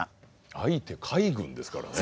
相手海軍ですからね。